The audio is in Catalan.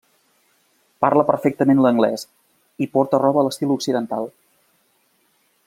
Parla perfectament l'anglès, i porta roba a l'estil Occidental.